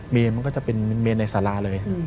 มันก็จะเป็นเมนในสาราเลย